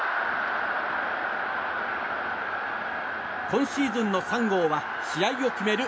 今シーズンの３号は試合を決める